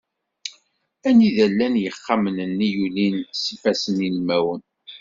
Anida i llan yixxamen-nni i yulin s yifasssen ilmawen.